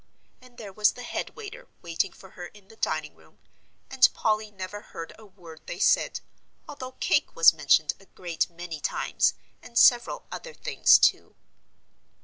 And there was the head waiter waiting for her in the dining room, and Polly never heard a word they said, although "cake" was mentioned a great many times, and several other things too.